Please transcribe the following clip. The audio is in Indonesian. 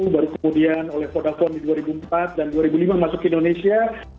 baru kemudian oleh podakwan di dua ribu empat dan dua ribu lima masuk ke indonesia